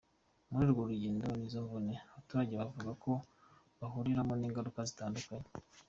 Muri urwo rugendo n’izo mvune, abaturage bavuga ko bahuriramo n’ingaruka zitandukanye.